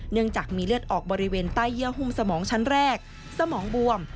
เนื่องจากมีเลือดออกบริเวณใต้เยื่อหุ้มสมองชั้นแรกสมองบวม